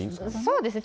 そうですね。